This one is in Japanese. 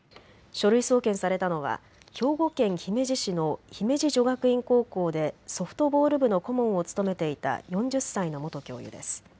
書類送検されたのは兵庫県姫路市の姫路女学院高校でソフトボール部の顧問を務めていた４０歳の元教諭です。